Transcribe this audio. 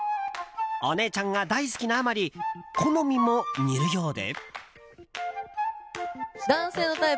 お姉ちゃんが大好きなあまり好みも似るようで。